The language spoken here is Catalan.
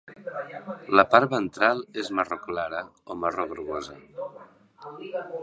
La part ventral és marró clara o marró grogosa.